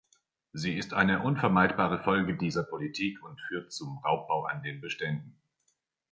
Sie ist eine unvermeidbare Folge dieser Politik und führt zum Raubbau an den Beständen.